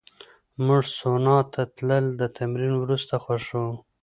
موږ سونا ته تلل د تمرین وروسته خوښوو.